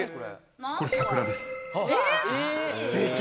これ桜です。